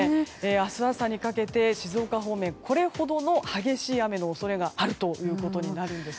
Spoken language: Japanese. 明日朝にかけて、静岡方面これほど激しい雨の恐れがあることになります。